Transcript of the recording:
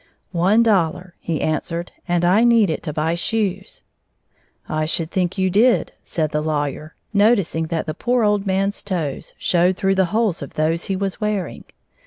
"One dollar," he answered, "and I need it to buy shoes." "I should think you did," said the lawyer, noticing that the poor old man's toes showed through the holes of those he was wearing.